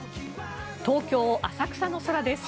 東京・浅草の空です。